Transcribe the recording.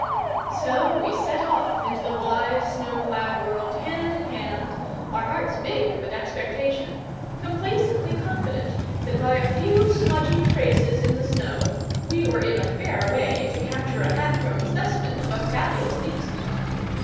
So we set off into the wide snow clad world, hand in hand, our hearts big with expectation, complacently confident that by a few smudgy traces in the snow we were in a fair way to capture a half grown specimen of a fabulous beast.